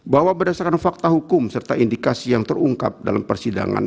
bahwa berdasarkan fakta hukum serta indikasi yang terungkap dalam persidangan